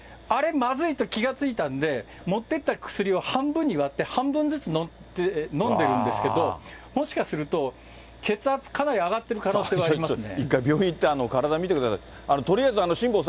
まずいと気が付いたんで、持ってった薬を半分に割って、半分ずつ飲んでるんですけど、もしかすると、血圧、かなり上がっている可能性ありますね。